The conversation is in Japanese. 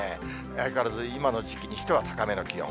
相変わらず今の時期にしては、高めの気温。